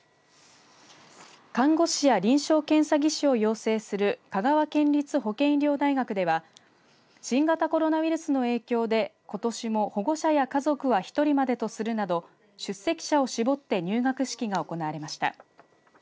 看護師や臨床検査技師を養成する香川県立保健医療大学では新型コロナウイルスの影響でことしも保護者や家族は１人までとするなど出席者を絞って入学式が行われました。